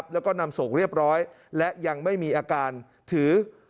แล้วก็นำส่งเรียบร้อยและยังไม่มีอาการถือ